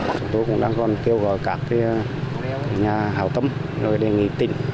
chúng tôi cũng đang còn kêu gọi các nhà hào tâm đề nghị tỉnh